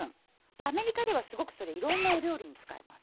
アメリカではすごくそれいろんなお料理に使います。